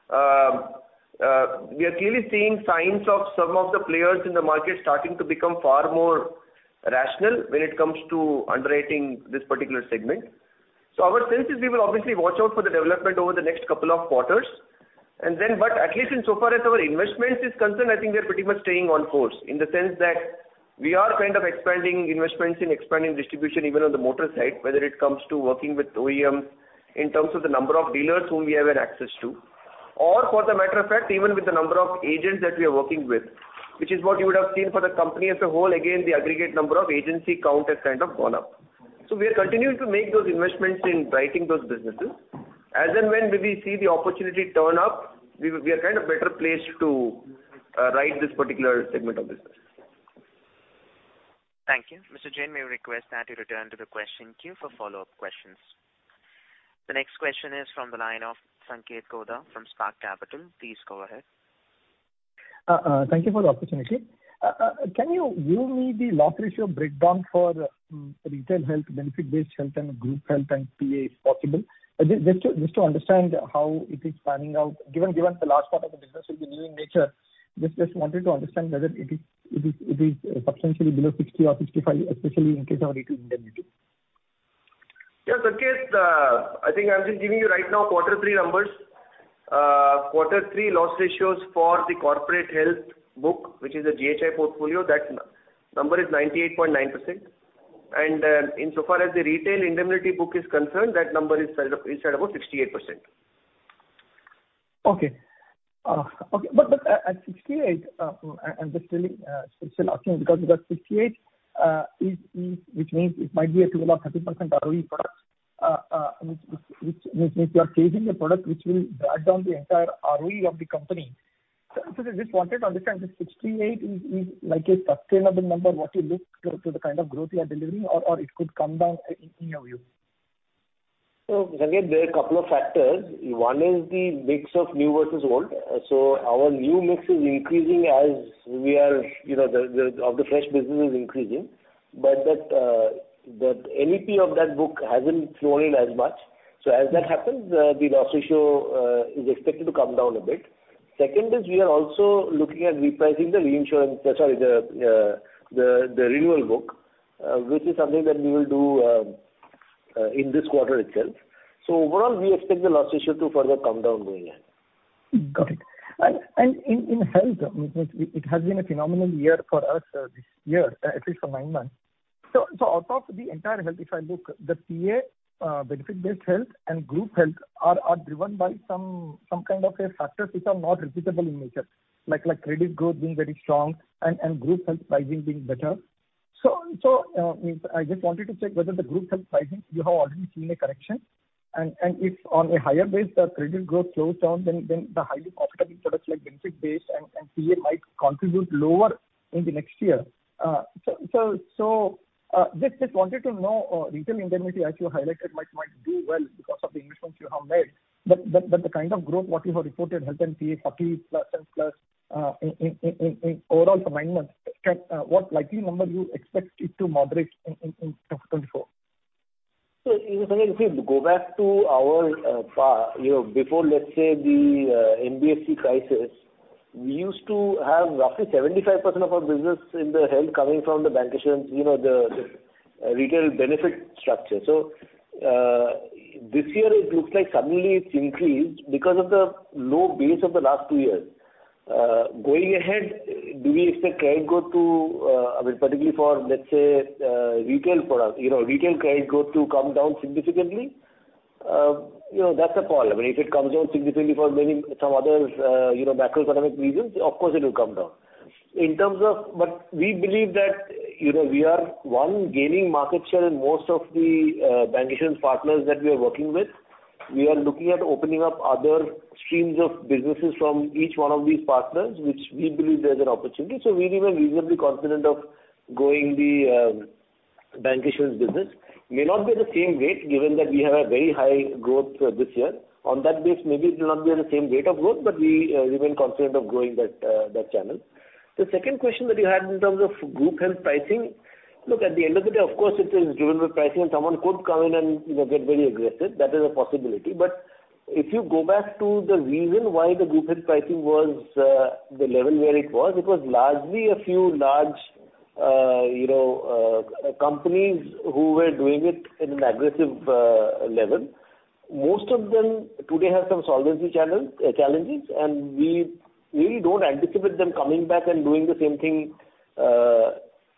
we are clearly seeing signs of some of the players in the market starting to become far more Rational when it comes to underwriting this particular segment. Our sense is we will obviously watch out for the development over the next couple of quarters and then but at least insofar as our investment is concerned, I think we are pretty much staying on course in the sense that we are kind of expanding investments in expanding distribution even on the motor side, whether it comes to working with OEM in terms of the number of dealers whom we have an access to or for the matter of fact, even with the number of agents that we are working with, which is what you would have seen for the company as a whole. Again, the aggregate number of agency count has kind of gone up. We are continuing to make those investments in writing those businesses. As and when we see the opportunity turn up, we are kind of better placed to write this particular segment of business. Thank you. Mr. Jain, may I request that you return to the question queue for follow-up questions. The next question is from the line of Sanketh Godha from Spark Capital. Please go ahead. Thank you for the opportunity. Can you give me the loss ratio breakdown for retail health, benefit-based health and group health and PA if possible? Just to understand how it is panning out, given the large part of the business will be new in nature. Just wanted to understand whether it is substantially below 60% or 65%, especially in case of retail indemnity. Yeah, Sanketh, I think I'm just giving you right now quarter three numbers. quarter three loss ratios for the corporate health book, which is a GHI portfolio, that number is 98.9%. insofar as the retail indemnity book is concerned, that number is set up inside about 68%. Okay. Okay. But at 68, I'm just really still asking because with that 68, which means it might be a developing ROE product. Which means you are changing a product which will drag down the entire ROE of the company. I just wanted to understand if 68 is like a sustainable number what you look to the kind of growth you are delivering or it could come down in your view. Sanketh, there are a couple of factors. One is the mix of new versus old. Our new mix is increasing as we are, you know, the fresh business is increasing. That NEP of that book hasn't flown in as much. As that happens, the loss ratio is expected to come down a bit. Second is we are also looking at repricing the reinsurance, sorry, the renewal book, which is something that we will do in this quarter itself. Overall, we expect the loss ratio to further come down going ahead. Got it. In health, it has been a phenomenal year for us, this year, at least for nine months. Out of the entire health, if I look the PA, benefit-based health and group health are driven by some kind of factors which are not repeatable in nature, like credit growth being very strong and group health pricing being better. I just wanted to check whether the group health pricing you have already seen a correction and if on a higher base, the credit growth slows down, then the highly profitable products like benefit base and PA might contribute lower in the next year. Just wanted to know, retail indemnity as you highlighted, might do well because of the investments you have made. The kind of growth what you have reported health and PA 40+, in overall for nine months, what likely number you expect it to moderate in 2024? Sanketh if you go back to our, you know, before let's say the NBFC crisis, we used to have roughly 75% of our business in the health coming from the bancassurance you know, the retail benefit structure. This year it looks like suddenly it's increased because of the low base of the last two years. Going ahead, do we expect credit growth to, I mean particularly for let's say, retail product, you know, retail credit growth to come down significantly? You know, that's a call. I mean, if it comes down significantly for many, some other, you know, macroeconomic reasons, of course it will come down. In terms of what we believe that, you know, we are one gaining market share in most of the bancassurance partners that we are working with. We are looking at opening up other streams of businesses from each one of these partners, which we believe there's an opportunity. We remain reasonably confident of growing the bancassurance business. May not be at the same rate given that we have a very high growth this year. On that base maybe it will not be at the same rate of growth, we remain confident of growing that channel. The second question that you had in terms of group health pricing. Look, at the end of the day, of course it is driven by pricing and someone could come in and, you know, get very aggressive. That is a possibility. If you go back to the reason why the group health pricing was the level where it was, it was largely a few large, you know, companies who were doing it in an aggressive level. Most of them today have some solvency challenges, and we really don't anticipate them coming back and doing the same thing,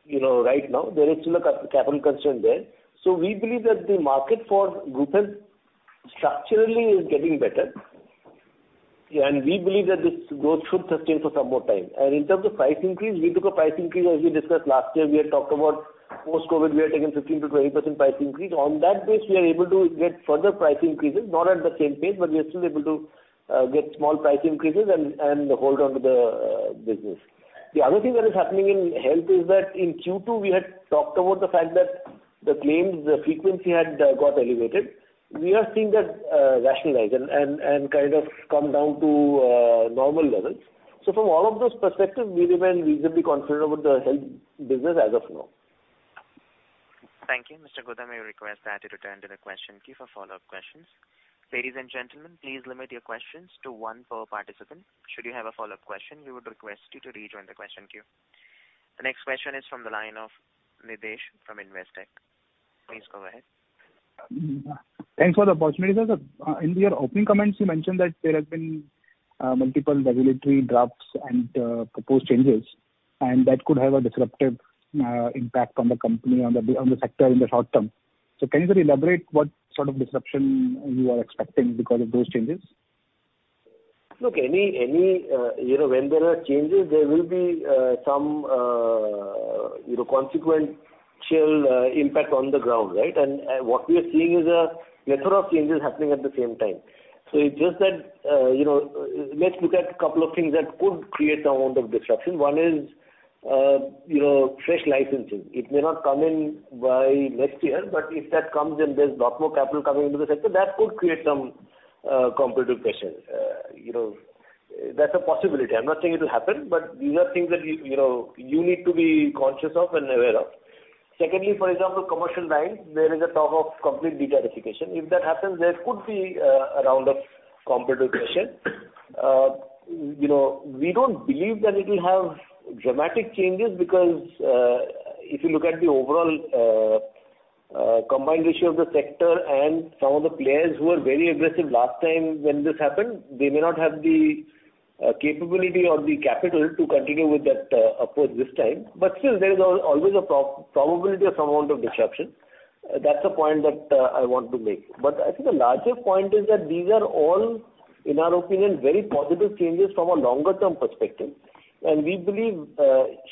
you know, right now. There is still a capital constraint there. We believe that the market for group health structurally is getting better. We believe that this growth should sustain for some more time. In terms of price increase, we took a price increase as we discussed last year. We had talked about post-COVID we had taken 15%-20% price increase. On that base, we are able to get further price increases, not at the same pace, but we are still able to get small price increases and hold on to the business. The other thing that is happening in health is that in Q2 we had talked about the fact that the claims frequency had got elevated. We are seeing that rationalize and kind of come down to normal levels. From all of those perspectives we remain reasonably confident about the health business as of now. Thank you, Mr. Godha. May we request that you return to the question queue for follow-up questions. Ladies and gentlemen, please limit your questions to one per participant. Should you have a follow-up question, we would request you to rejoin the question queue. The next question is from the line of Nidhesh from Investec. Please go ahead. Thanks for the opportunity, sir. In your opening comments, you mentioned that there has been multiple regulatory drafts and proposed changes, and that could have a disruptive impact on the company on the sector in the short term. Can you elaborate what sort of disruption you are expecting because of those changes? Look, any, you know, when there are changes, there will be some, you know, consequential, impact on the ground, right? What we are seeing is a plethora of changes happening at the same time. It's just that, you know, let's look at a couple of things that could create some amount of disruption. One is, you know, fresh licensing. It may not come in by next year, but if that comes, then there's a lot more capital coming into the sector that could create some, competitive pressure. You know, that's a possibility. I'm not saying it'll happen, but these are things that you know, you need to be conscious of and aware of. Secondly, for example, commercial lines, there is a talk of complete de-tariffication. If that happens, there could be a round of competitive pressure. You know, we don't believe that it will have dramatic changes because if you look at the overall combined ratio of the sector and some of the players who are very aggressive last time when this happened, they may not have the capability or the capital to continue with that approach this time. Still there is always a probability of some amount of disruption. That's a point that I want to make. I think the larger point is that these are all, in our opinion, very positive changes from a longer term perspective, and we believe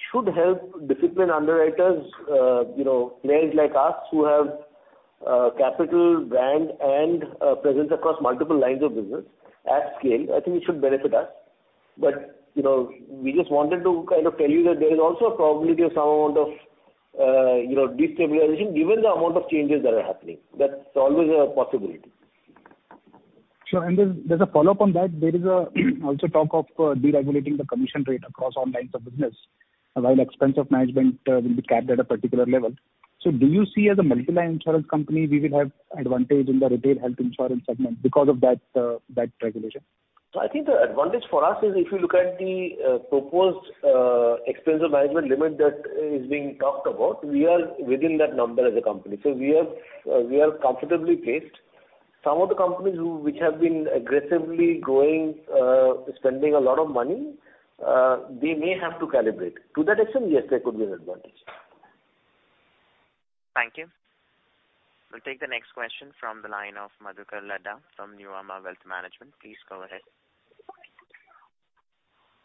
should help discipline underwriters, you know, players like us who have capital, brand and presence across multiple lines of business at scale. I think it should benefit us. You know, we just wanted to kind of tell you that there is also a probability of some amount of, you know, destabilization given the amount of changes that are happening. That's always a possibility. Sure. There's a follow-up on that. There is also talk of deregulating the commission rate across all lines of business while Expenses of Management will be capped at a particular level. Do you see as a multi-line insurance company, we will have advantage in the retail health insurance segment because of that regulation? I think the advantage for us is if you look at the proposed Expenses of Management limit that is being talked about, we are within that number as a company. We are comfortably placed. Some of the companies which have been aggressively growing, spending a lot of money, they may have to calibrate. To that extent, yes, there could be an advantage. Thank you. We'll take the next question from the line of Madhukar Ladha from Nuvama Wealth Management. Please go ahead.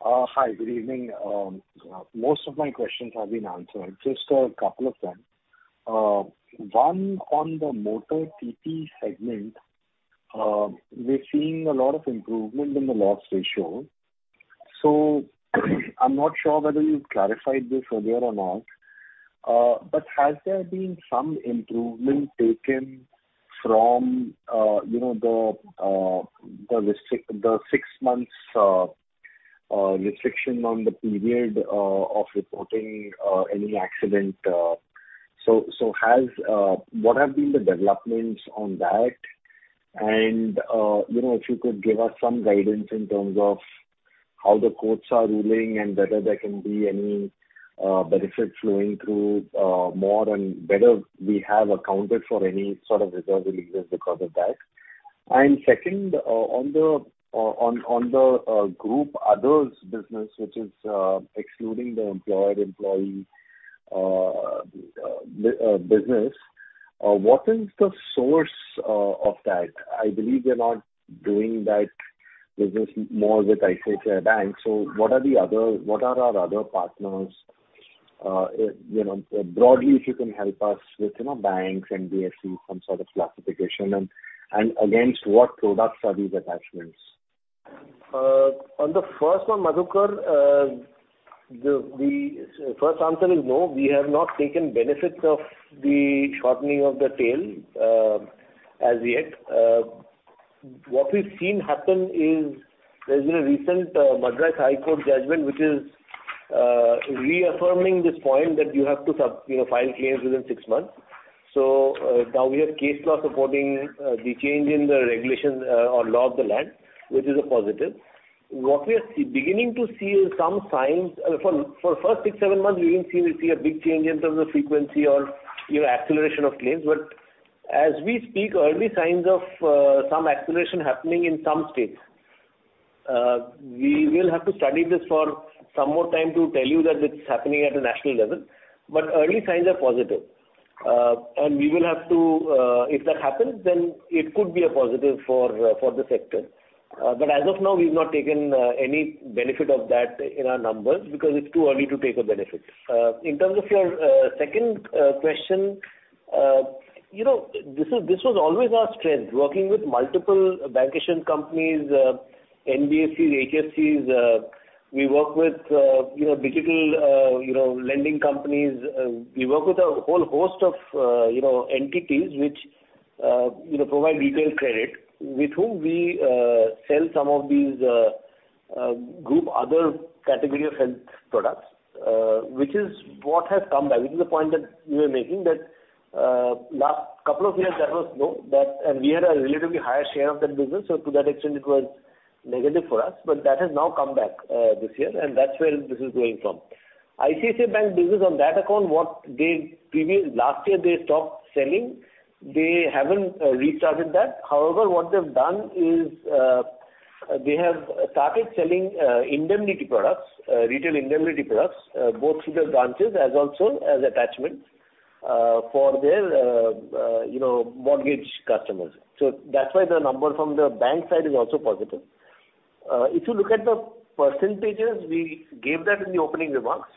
Hi, good evening. Most of my questions have been answered. Just a couple of them. One on the Motor TP segment. We're seeing a lot of improvement in the loss ratio. I'm not sure whether you've clarified this earlier or not. Has there been some improvement taken from, you know, the six months restriction on the period of reporting any accident? What have been the developments on that? You know, if you could give us some guidance in terms of how the courts are ruling and whether there can be any benefit flowing through more and whether we have accounted for any sort of reserve releases because of that? Second, on the group others business, which is excluding the employed employee business, what is the source of that? I believe you're not doing that business more with ICICI Bank. What are our other partners? You know, broadly, if you can help us with, you know, banks, NBFC, some sort of classification and against what products are these attachments? On the first one, Madhukar, the first answer is no. We have not taken benefits of the shortening of the tail as yet. What we've seen happen is there's been a recent Madras High Court judgment, which is reaffirming this point that you have to, you know, file claims within six months. Now we have case law supporting the change in the regulation or law of the land, which is a positive. What we are beginning to see is some signs. For first six, seven months, we didn't see a big change in terms of frequency or, you know, acceleration of claims. As we speak, early signs of some acceleration happening in some states. We will have to study this for some more time to tell you that it's happening at a national level. Early signs are positive. We will have to, if that happens, then it could be a positive for the sector. As of now, we've not taken any benefit of that in our numbers because it's too early to take a benefit. In terms of your second question, you know, this was always our strength, working with multiple bank issued companies, NBFCs, HFCs. We work with, you know, digital, lending companies. We work with a whole host of, entities which, provide retail credit with whom we sell some of these- Group other category of health products, which is what has come by, which is the point that you were making that last couple of years that was low that and we had a relatively higher share of that business. To that extent it was negative for us. That has now come back this year and that's where this is going from. ICICI Bank business on that account what they last year they stopped selling. They haven't restarted that. What they've done is, they have started selling indemnity products, retail indemnity products, both through their branches as also as attachments for their, you know, mortgage customers. That's why the number from the bank side is also positive. If you look at the percentages we gave that in the opening remarks,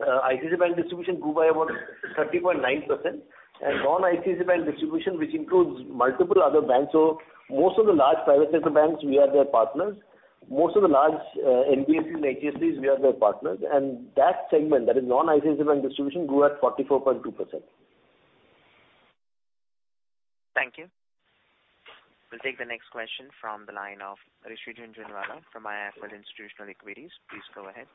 ICICI Bank distribution grew by about 30.9%. Non ICICI Bank distribution, which includes multiple other banks, so most of the large private sector banks we are their partners. Most of the large, NBFCs and HFCs, we are their partners. That segment, that is non ICICI Bank distribution grew at 44.2%. Thank you. We'll take the next question from the line of Rishi Jhunjhunwala from IIFL Institutional Equities. Please go ahead.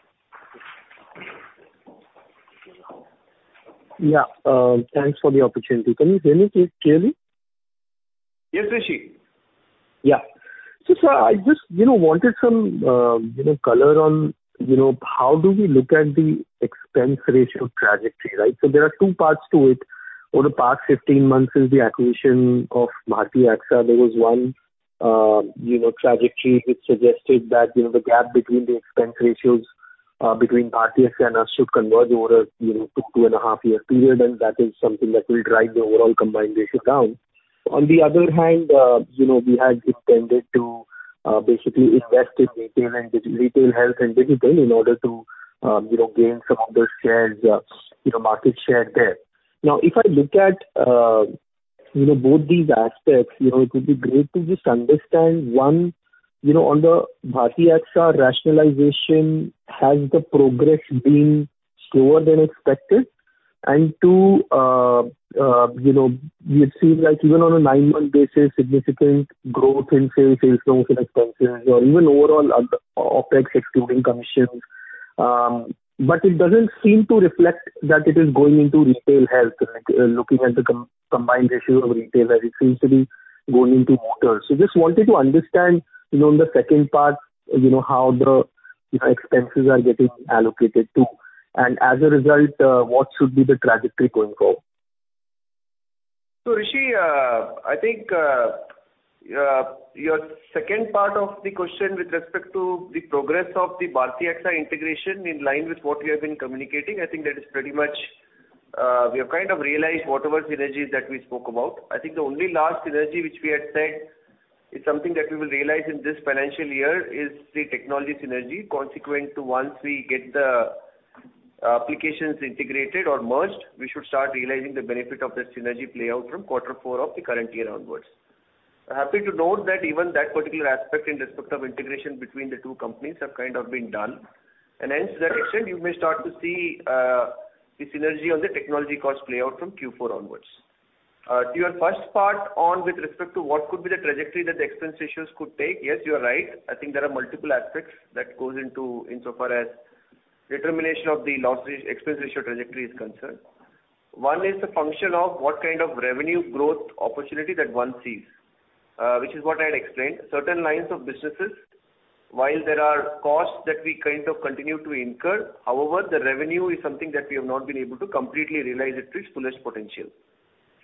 Yeah, thanks for the opportunity. Can you hear me please clearly? Yes, Rishi. Yeah. Sir, I just, you know, wanted some, you know, color on, you know, how do we look at the expense ratio trajectory, right? There are 2 parts to it. Over the past 15 months since the acquisition of Bharti AXA, there was one, you know, trajectory which suggested that, you know, the gap between the expense ratios between Bharti AXA and us should converge over, you know, 2 and a half year period, and that is something that will drive the overall combined ratio down. On the other hand, you know, we had intended to basically invest in retail and retail health and digital in order to, you know, gain some of the shares, you know, market share there. Now, if I look at, you know, both these aspects, you know, it would be great to just understand, one, you know, on the Bharti AXA rationalization, has the progress been slower than expected? Two, you know, it seems like even on a 9-month basis, significant growth in, say, sales growth and expenses or even overall OpEx excluding commissions. It doesn't seem to reflect that it is going into retail health. Looking at the combined ratio of retail as it seems to be going into Motor. Just wanted to understand, you know, in the second part, you know, how the expenses are getting allocated to, and as a result, what should be the trajectory going forward. Rishi, I think, your second part of the question with respect to the progress of the Bharti AXA integration in line with what we have been communicating, I think that is pretty much, we have kind of realized whatever synergies that we spoke about. I think the only large synergy which we had said is something that we will realize in this financial year is the technology synergy. Consequent to once we get the applications integrated or merged, we should start realizing the benefit of that synergy play out from Q4 of the current year onwards. Happy to note that even that particular aspect in respect of integration between the two companies have kind of been done. Hence to that extent you may start to see, the synergy on the technology cost play out from Q4 onwards. To your first part on with respect to what could be the trajectory that the expense ratios could take. Yes, you are right. I think there are multiple aspects that goes into insofar as determination of the expense ratio trajectory is concerned. One is the function of what kind of revenue growth opportunity that one sees, which is what I had explained. Certain lines of businesses, while there are costs that we kind of continue to incur, however, the revenue is something that we have not been able to completely realize it to its fullest potential.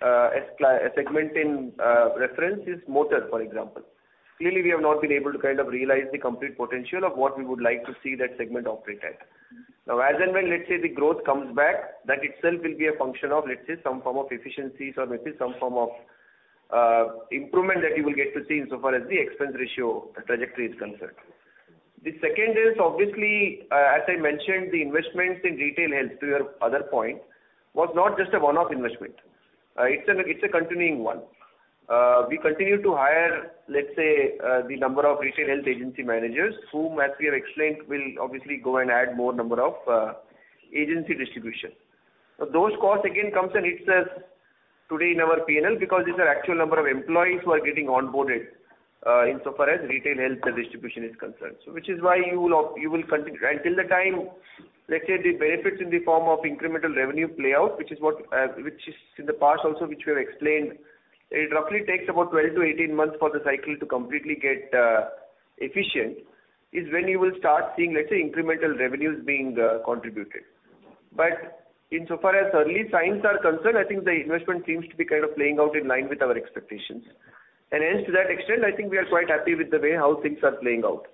A segment in reference is motor, for example. Clearly, we have not been able to kind of realize the complete potential of what we would like to see that segment operate at. Now, as and when, let's say, the growth comes back, that itself will be a function of, let's say, some form of efficiencies or maybe some form of improvement that you will get to see insofar as the expense ratio trajectory is concerned. The second is obviously, as I mentioned, the investments in retail health to your other point, was not just a one-off investment. It's a continuing one. We continue to hire, let's say, the number of retail health agency managers whom, as we have explained, will obviously go and add more number of agency distribution. Those costs again comes and hits us today in our P&L because these are actual number of employees who are getting onboarded, insofar as retail health distribution is concerned. Which is why you will continue until the time, let's say, the benefits in the form of incremental revenue play out, which is what, which is in the past also, which we have explained, it roughly takes about 12 to 18 months for the cycle to completely get efficient, is when you will start seeing, let's say, incremental revenues being contributed. Insofar as early signs are concerned, I think the investment seems to be kind of playing out in line with our expectations. Hence, to that extent, I think we are quite happy with the way how things are playing out.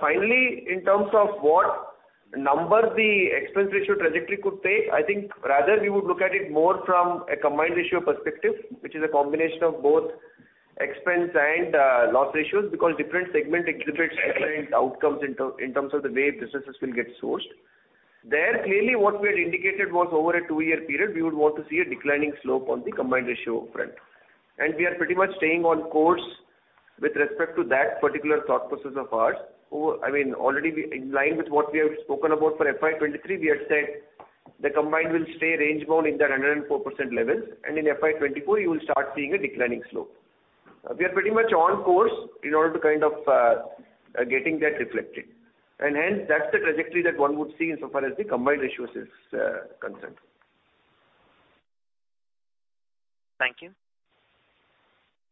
Finally, in terms of what number the expense ratio trajectory could take, I think rather we would look at it more from a combined ratio perspective, which is a combination of both expense and loss ratios because different segment exhibits different outcomes in terms of the way businesses will get sourced. Clearly what we had indicated was over a 2-year period, we would want to see a declining slope on the combined ratio front, and we are pretty much staying on course with respect to that particular thought process of ours. I mean, already we in line with what we have spoken about for FY 2023, we had said the combined will stay range bound in that 104% levels and in FY 2024 you will start seeing a declining slope. We are pretty much on course in order to kind of getting that reflected. That's the trajectory that one would see insofar as the combined ratios is concerned. Thank you.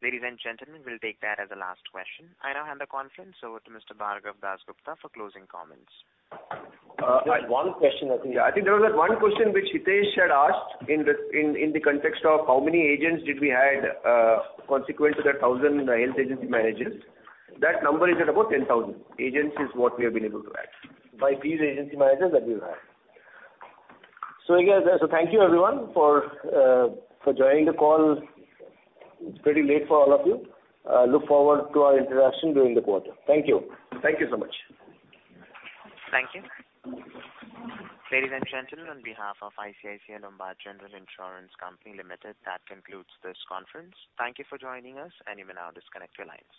Ladies and gentlemen, we'll take that as the last question. I now hand the conference over to Mr. Bhargav Dasgupta for closing comments. One question I think. Yeah, I think there was that one question which Hitesh had asked in the context of how many agents did we add consequent to that 1,000 health agency managers. That number is at about 10,000 agents is what we have been able to add by these agency managers that we've added. Again, thank you everyone for joining the call. It's pretty late for all of you. Look forward to our interaction during the quarter. Thank you. Thank you so much. Thank you. Ladies and gentlemen, on behalf of ICICI Lombard General Insurance Company Limited, that concludes this conference. Thank you for joining us. You may now disconnect your lines.